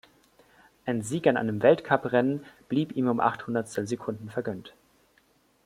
Ein Sieg an einem Weltcup-Rennen blieb ihm um acht Hundertstelsekunden vergönnt.